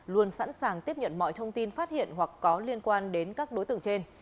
luôn sẵn sàng tiếp nhận mọi thông tin phát hiện hoặc có liên quan đến các đối tượng trên